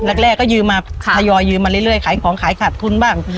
แรกก็ยืมมาทยอยยืมมาเรื่อยขายของขายขาดทุนบ้าง